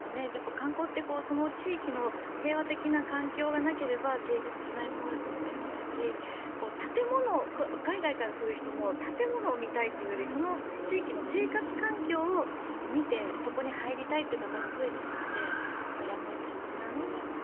観光って、その地域の平和的な環境がなければ成立しないものだと思いますし海外から来る人も建物を見たいというよりその地域の生活環境を見てそこに入りたいという方も増えているのでやむを得ないのかなと思います。